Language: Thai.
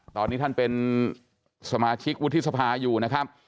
ตอนนี้ท่านเป็นสมาชิกวุฒิสภาอยู่นะครับ